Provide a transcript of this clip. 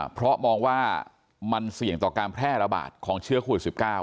เพราะมองว่ามันเสี่ยงต่อการแพร่ระบาดของเชื้อโควิด๑๙